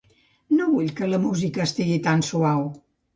No vull que la música estigui tan suau.